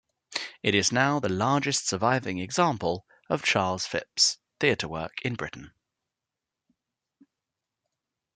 It is now the largest surviving example of Charles Phipp's theatre work in Britain.